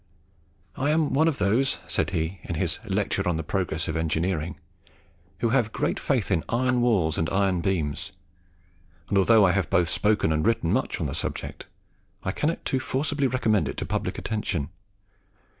"I am one of those," said he, in his 'Lecture on the Progress of Engineering,' "who have great faith in iron walls and iron beams; and although I have both spoken and written much on the subject, I cannot too forcibly recommend it to public attention.